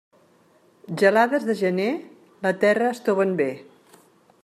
Gelades de gener, la terra estoven bé.